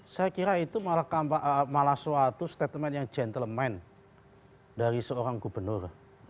saya kira itu malah suatu statement yang gentleman dari seorang gubernur